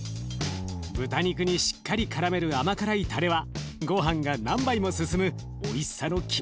豚肉にしっかりからめる甘辛いたれはごはんが何杯も進むおいしさの決め手です。